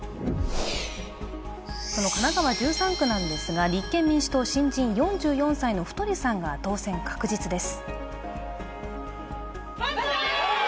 神奈川１３区なんですが立憲民主党・新人４４歳の太さんが当選確実です。